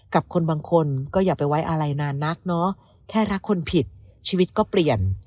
กับคนบางคนก็อย่าไปไว้อะไรนานนักเนาะแค่รักคนผิดชีวิตก็เปลี่ยน